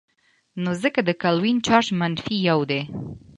نو ځکه د کلوین چارج منفي یو دی.